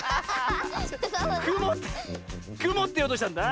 「くも」って「くも」っていおうとしたんだ。